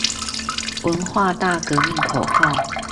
文化大革命口號